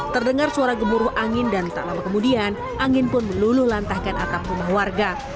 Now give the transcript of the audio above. terdengar suara gemuruh angin dan tak lama kemudian angin pun melululantahkan atap rumah warga